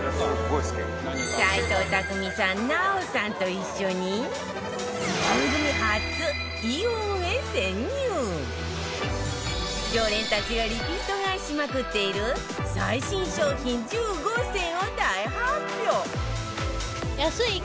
齊藤工さん、奈緒さんと一緒に常連たちがリピート買いしまくっている最新商品１５選を大発表！